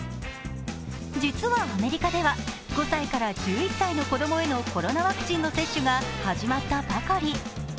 実はアメリカでは５歳から１１歳の子どもへのコロナワクチンの接種が始まったばかり。